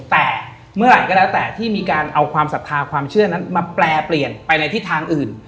แต่เมื่อไหร่ก็แล้วแต่ที่มีการเอาความศรัทธาความเชื่อนั้นมาแปลเปลี่ยนไปในทิศทางอื่น